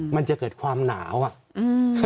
มันจะเกิดความหนาวอ่ะ